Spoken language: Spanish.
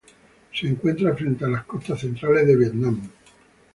Se encuentra frente a las costas centrales del Vietnam.